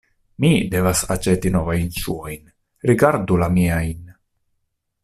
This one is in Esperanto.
Mi devas aĉeti novajn ŝuojn; rigardu la miajn.